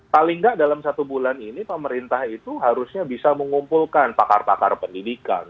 paling nggak dalam satu bulan ini pemerintah itu harusnya bisa mengumpulkan pakar pakar pendidikan